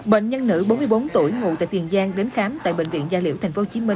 bệnh nhân nữ bốn mươi bốn tuổi ngụ tại tiền giang đến khám tại bệnh viện gia liễu tp hcm